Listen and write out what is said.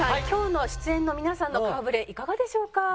今日の出演の皆さんの顔ぶれいかがでしょうか？